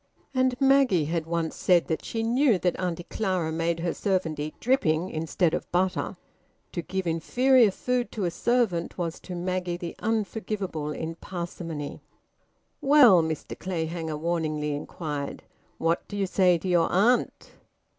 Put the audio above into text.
And Maggie had once said that she knew that Auntie Clara made her servant eat dripping instead of butter. To give inferior food to a servant was to Maggie the unforgivable in parsimony. "Well," Mr Clayhanger warningly inquired, "what do you say to your aunt?"